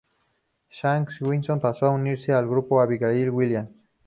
Zach Gibson pasó a unirse al grupo Abigail Williams.